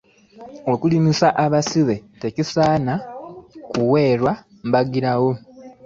Okulimisa abasibe kisaana kuwerwa mbagirawo.